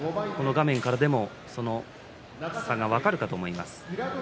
画面からでも差が分かるかと思います。